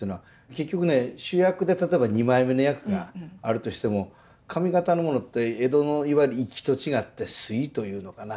結局ね主役で例えば二枚目の役があるとしても上方のものって江戸のいわゆる粋と違って粋というのかな